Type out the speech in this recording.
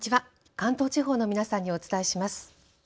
関東地方の皆さんにお伝えします。